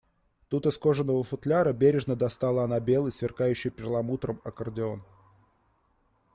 Тут из кожаного футляра бережно достала она белый, сверкающий перламутром аккордеон